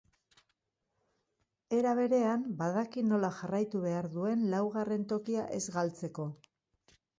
Era berean, badaki nola jarraitu behar duen laugarren tokia ez galtzeko.